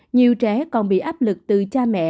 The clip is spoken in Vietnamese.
nhiều trẻ còn bị áp lực từ cha mẹ